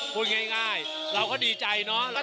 พูดง่ายเราก็ดีใจเนาะ